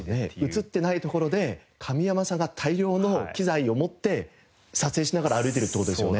映ってないところで神山さんが大量の機材を持って撮影しながら歩いてるっていう事ですよね？